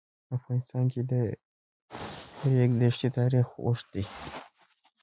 په افغانستان کې د د ریګ دښتې تاریخ اوږد دی.